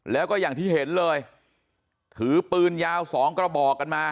แล้วก็อย่างที่เห็นเลยถือปืนยาวสองกระบอกกันมา